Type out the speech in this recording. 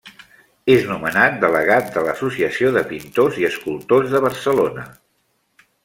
És nomenat Delegat de l'Associació de Pintors i Escultors de Barcelona.